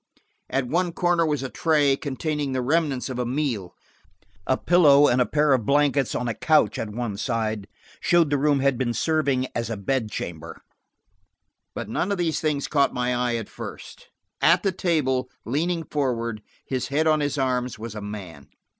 At one corner was a tray, containing the remnants of a meal; a pillow and a pair of blankets on a couch at one side showed the room had been serving as a bedchamber. But none of these things caught my eye at first. At the table, leaning forward, his head on his arms, was a man.